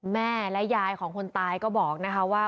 แม่และยายของคนตายก็บอกนะคะว่า